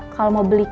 kalau mau beli kain